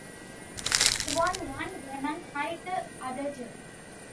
He won one game and tied the other two.